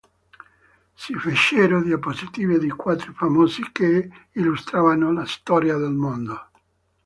Si fecero diapositive di quadri famosi che illustravano la storia del mondo.